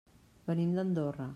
Venim d'Andorra.